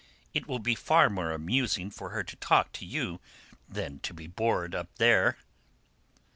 It will be far more amusing for her to talk to you than to be bored up there."